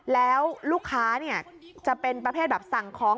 แล้วลูกค้าจะเป็นประเภทแบบสั่งของ